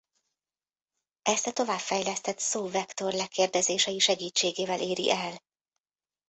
Ezt a továbbfejlesztett szó-vektor lekérdezései segítségével éri el.